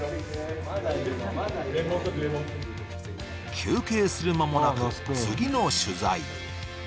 休憩する間もなく次の取材。